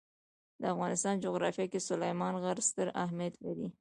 د افغانستان جغرافیه کې سلیمان غر ستر اهمیت لري.